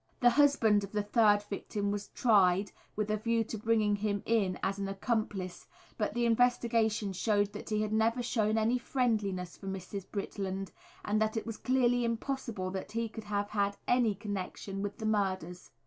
The husband of the third victim was tried, with a view to bringing him in as an accomplice, but the investigation showed that he had never shown any friendliness for Mrs. Britland, and that it was clearly impossible that he could have had any connection with the murders.